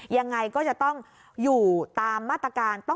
ยังไงก็จะต้องอยู่ตามมาตรการ